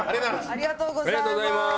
ありがとうございます。